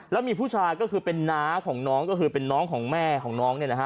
แล้วมีผู้ชายก็คือเป็นน้าของน้องก็คือเป็นน้องของแม่ของน้องเนี่ยนะฮะ